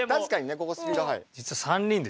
ここスピード速い。